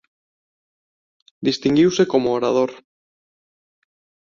Distinguiuse como orador.